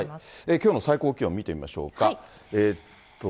きょうの最高気温、見てみましょうか。